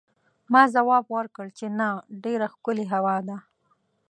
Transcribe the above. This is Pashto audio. ما ځواب ورکړ چې نه، ډېره ښکلې هوا ده.